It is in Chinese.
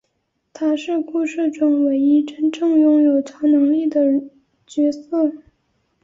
他是故事中唯一真正拥有超能力的角色。